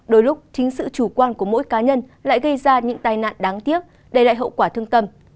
đôi lúc chính sự chủ quan của mỗi cá nhân lại gây ra những tai nạn đáng tiếc để lại hậu quả thương tâm